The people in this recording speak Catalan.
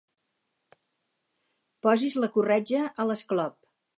Posis la corretja a l'esclop.